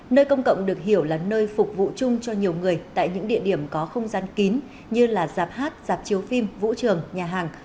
nơi công cộng được hiểu là nơi phục vụ chung cho nhiều người tại những địa điểm có không gian kín như là dạp hát dạp chiếu phim vũ trường nhà hàng